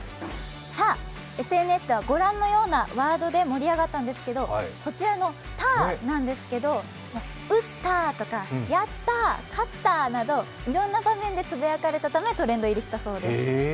さあ、ＳＮＳではご覧のようなワードで盛り上がったんですけどこちらの「たーーーー」なんですけど、打ったーとか、やったー、勝ったーなどいろんな場面でつぶやかれたためトレンド入りしたそうです。